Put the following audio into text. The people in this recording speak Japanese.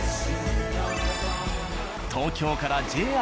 東京からＪＲ